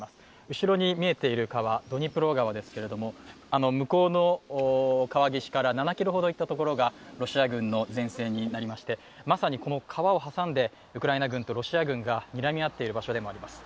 後ろに見えている川はドニプロ川ですけど、向こうの川岸から７ｋｍほど行ったところがロシア軍の前線になりましてまさにこの川を挟んでウクライナ軍とロシア軍がにらみ合ってる場所でもあります。